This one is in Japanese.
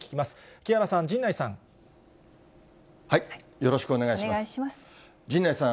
木原さん、陣内さん。